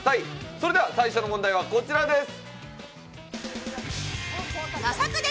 それでは最初の問題はこちらです。